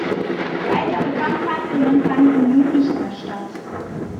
Weitere Kampfhandlungen fanden nun nicht mehr statt.